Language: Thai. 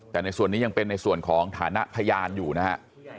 แต่ในส่วนนี้ยังเป็นในส่วนของฐานะพยานอยู่นะฮะ